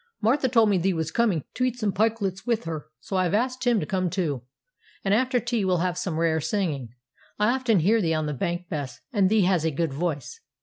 'Martha told me thee was coming to eat some pikelets with her, so I asked Tim to come too; and after tea we'll have some rare singing. I often hear thee on the bank, Bess, and thee has a good voice.'